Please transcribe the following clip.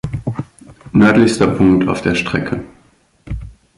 Nördlichster Punkt auf der Strecke.